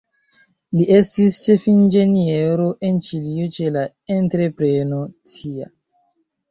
Li estis ĉefinĝeniero en Ĉilio ĉe la entrepreno Cia.